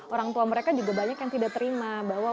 orang tua mereka juga banyak yang tidak terima bahwa